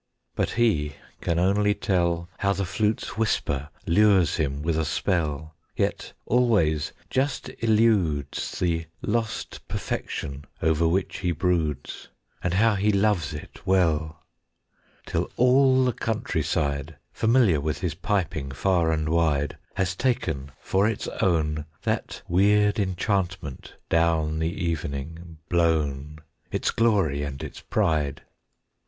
But he can only tell How the flute's whisper lures him with a spell, Yet always just eludes The lost perfection over which he broods; And how he loves it well. Till all the country side, Familiar with his piping far and wide, Has taken for its own That weird enchantment down the evening blown, Its glory and its pride.